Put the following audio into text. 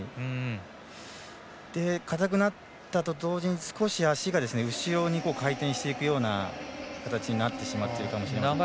硬くなったと同時に少し足が後ろに回転していくような形になっているかもしれません。